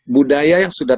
budaya yang sudah